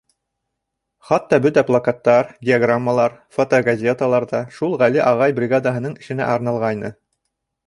Хатта бөтә плакаттар, диаграммалар, фотогазеталар ҙа шул Ғәли ағай бригадаһының эшенә арналғайны.